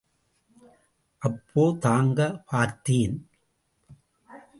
அப்பொ தாங்க பார்த்தேன்.